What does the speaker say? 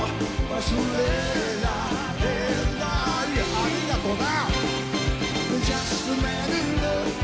ありがとな。